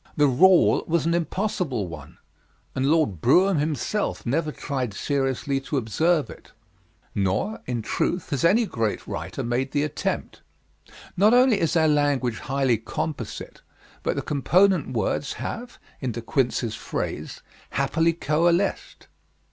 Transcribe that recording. The rule was an impossible one, and Lord Brougham himself never tried seriously to observe it; nor, in truth, has any great writer made the attempt. Not only is our language highly composite, but the component words have, in De Quincey's phrase, 'happily coalesced.'